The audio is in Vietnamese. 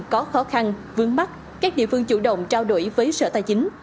có khó khăn vướng mắt các địa phương chủ động trao đổi với sở tài chính